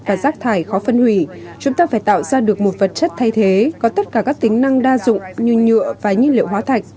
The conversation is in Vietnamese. và rác thải khó phân hủy chúng ta phải tạo ra được một vật chất thay thế có tất cả các tính năng đa dụng như nhựa và nhiên liệu hóa thạch